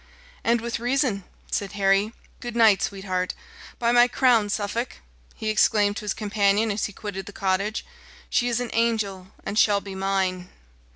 "And with reason," said Harry. "Good night, sweet heart! By my crown, Suffolk!" he exclaimed to his companion, as he quitted the cottage, "she is an angel, and shall be mine."